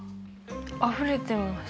あふれてますよ。